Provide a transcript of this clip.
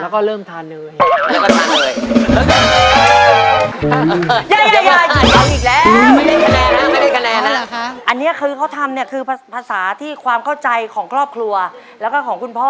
ก็เริ่มทานเนย